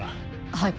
はい。